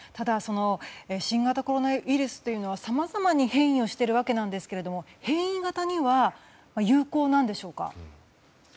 新型コロナウイルスはさまざまに変異しているわけですが変異型には有効なんでしょうか？